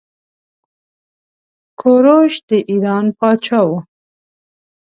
کوروش د ايران پاچا وه.